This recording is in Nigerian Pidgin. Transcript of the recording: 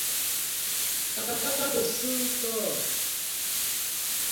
Kata kata go soon kom.